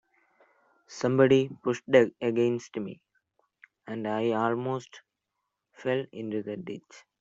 Somebody pushed against me, and I almost fell into the ditch.